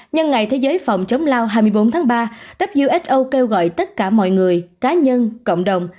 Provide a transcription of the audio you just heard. nhân ngày thế giới phòng chống lao hai mươi bốn tháng ba uso kêu gọi tất cả mọi người cá nhân cộng đồng